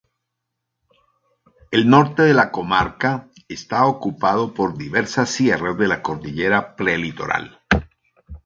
El norte de la comarca está ocupado por diversas sierras de la cordillera Prelitoral.